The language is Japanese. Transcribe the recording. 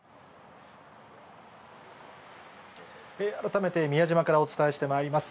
改めて、宮島からお伝えしてまいります。